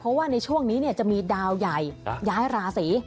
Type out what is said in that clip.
เพราะว่าในช่วงนี้จะมีดาวใหญ่ย้ายราศี